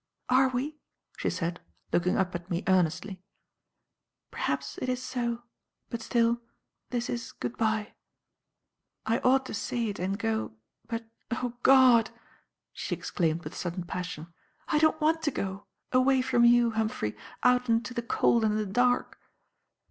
"Are we?" she said, looking up at me earnestly. "Perhaps it is so; but still, this is good bye. I ought to say it and go; but O God!" she exclaimed with sudden passion, "I don't want to go away from you, Humphrey, out into the cold and the dark!"